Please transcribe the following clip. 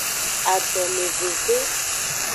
Adomeveve.